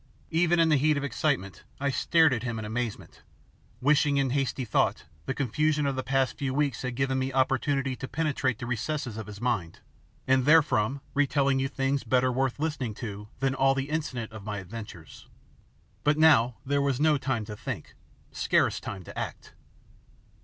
Even in the heat of excitement I stared at him in amazement, wishing in a hasty thought the confusion of the past few weeks had given me opportunity to penetrate the recesses of his mind, and therefrom retell you things better worth listening to than all the incident of my adventures. But now there was no time to think, scarce time to act.